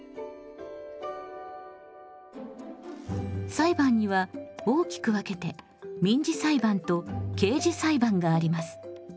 裁判には大きく分けて民事裁判と刑事裁判があります。